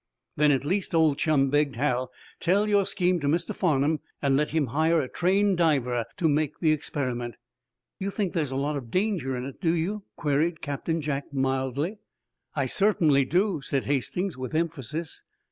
"Then, at least, old chum," begged Hal, "tell your scheme to Mr. Farnum, and let him hire a trained diver to make the experiment." "You think there's a lot of danger in it, do you?" queried Captain Jack, mildly. "I certainly do," said Hastings, with emphasis.